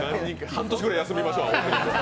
半年ぐらい休みましょう。